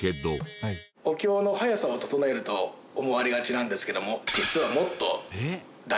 お経の速さを整えると思われがちなんですけども。